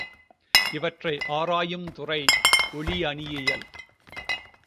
இவற்றை ஆராயுந்துறை ஒளியனியல்.